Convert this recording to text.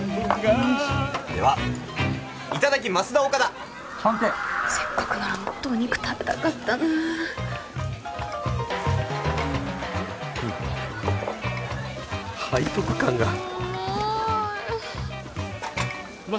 ３点せっかくならもっとお肉食べたかったな背徳感がうまい